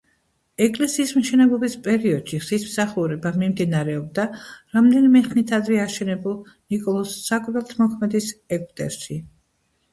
ეკლესიის მშენებლობის პერიოდში ღვთისმსხურება მიმდინარეობდა რამდენიმე ხნით ადრე აშენებულ ნიკოლოზ საკვირველთმოქმედის ეგვტერში.